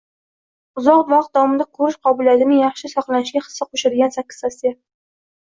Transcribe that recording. Uzoq vaqt davomida ko‘rish qobiliyatining yaxshi saqlanishiga hissa qo‘shadigansakkiztavsiya